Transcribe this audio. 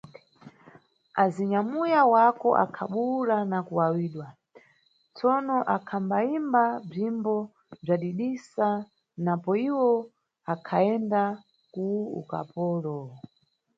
Azinyamuya wako akhabuwula na kuwawidwa, tsono akhambayimba bzimbo bzadidisa napo iwo akhayenda ku ukapolo.